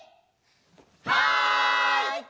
はい！